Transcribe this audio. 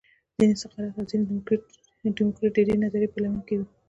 ځینې سقرات او ځینې دیموکریت د دې نظریې پیلوونکي بولي